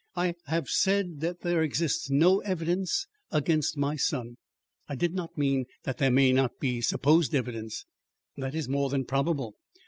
I have said that there exists no evidence against my son. I did not mean that there may not be supposed evidence. That is more than probable.